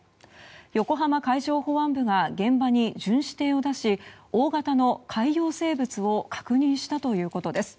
横浜海上保安部が現場に巡視艇を出し大型の海洋生物を確認したということです。